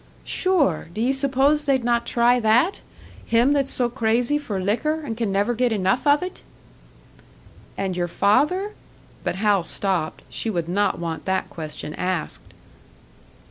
"Sure! D'ye suppose they'd not try that? Him that's so crazy for liquor, and can never get enough of it!" "And your father? " But Hal stopped. She would not want that question asked!